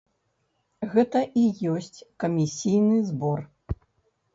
Гэта і ёсць камісійны збор.